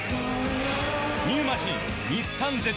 ニューマシン